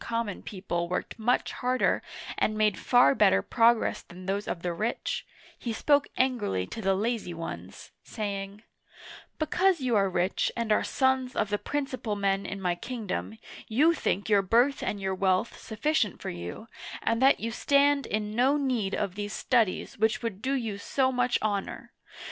Digitized by Google CHARLEMAGNE (768 814) 75 mon people worked much harder and made far better prog ress than those of the rich, he spoke angrily to the lazy ones, saying :" Because you are rich, and are sons of the principal men in my kingdom, you think your birth and your wealth sufficient for you, and that you stand in no need of these studies which would do you so much honor.